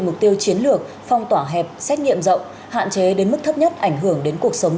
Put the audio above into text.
mục tiêu chiến lược phong tỏa hẹp xét nghiệm rộng hạn chế đến mức thấp nhất ảnh hưởng đến cuộc sống